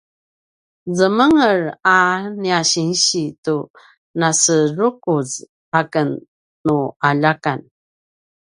zemenger a nia sinsi tu naserukuz aken nu aljakan